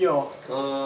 うん。